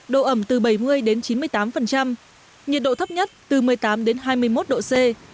độ ẩm từ bảy mươi đến chín mươi tám nhiệt độ thấp nhất từ một mươi tám hai mươi một độ c